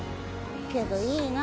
けどいいな。